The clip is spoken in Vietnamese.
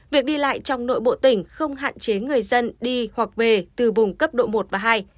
việc đi lại trong nội bộ tỉnh không hạn chế người dân đi hoặc về từ vùng cấp độ một và hai